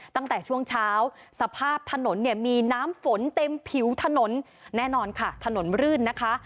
ตั้งแต่ช่วงเช้าสภาพถนนเนี่ยมีน้ำฝนเต็มผิวถนนแน่นอนค่ะถนนรื่นนะคะ